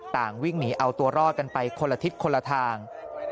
วิ่งหนีเอาตัวรอดกันไปคนละทิศคนละทาง